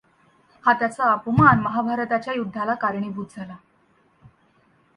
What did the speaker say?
हा त्याचा अपमान महाभारताच्या युद्धाला कारणीभूत झाला.